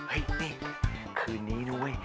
เฮ่ยนี่คืนนี้นะเว้ย